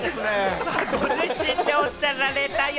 ご自身でおっしゃられたよ！